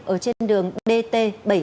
ở trên đường dt bảy trăm hai mươi chín